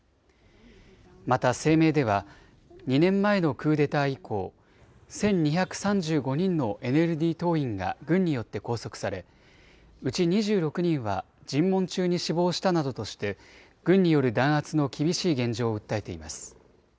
また声明では２年前のクーデター以降、１２３５人のＮＬＤ党員が軍によって拘束されうち２６人は尋問中に死亡したなどとして軍による弾圧の厳しい現状を訴えています。